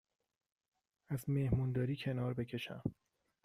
از مهمونداری کنار بکشم